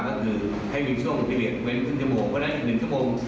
ก็คือให้บินช่วงของพี่เหรียญเป็นครึ่งจมเพราะนั้น๑ชั่วโมง